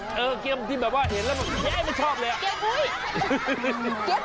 เออเกลียมที่แบบว่าเห็นแล้วบอกไอ้มันชอบเลย